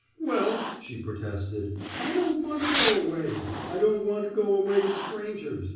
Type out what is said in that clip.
Well/' she protested, I don't want to go away. I don't want to go away to stran gers.